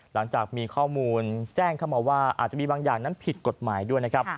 หลังจากมีข้อมูลแจ้งเข้ามาว่าอาจจะมีบางอย่างนั้นผิดกฎหมายด้วยนะครับ